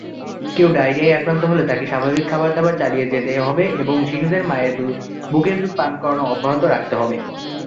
কেউ ডায়রিয়ায় আক্রান্ত হলে তাকে স্বাভাবিক খাবার-দাবার চালিয়ে যেতে হবে এবং শিশুদের মায়ের বুকের দুধ পান করানো অব্যাহত রাখতে হবে।